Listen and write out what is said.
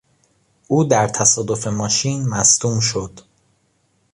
او در تصادف ماشین مصدوم شد.